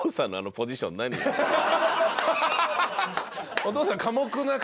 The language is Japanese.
お父さん。